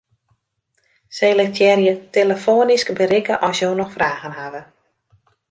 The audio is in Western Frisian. Selektearje 'telefoanysk berikke as jo noch fragen hawwe'.